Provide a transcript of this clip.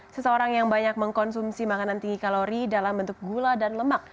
seseorang yang banyak mengkonsumsi makanan tinggi kalori dalam bentuk gula dan lemak